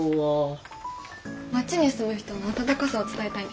町に住む人の温かさを伝えたいね。